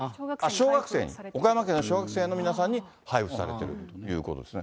岡山県の小学生の皆さんに配布されてるということですね。